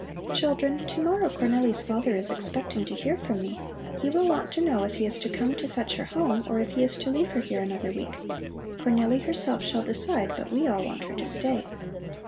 "Children, to morrow Cornelli's father is expecting to hear from me. He will want to know if he is to come to fetch her home, or if he is to leave her here another week. Cornelli herself shall decide, but we all want her to stay."